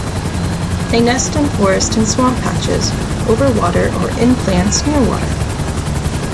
They nest in forest and swamp patches, over water or in plants near water.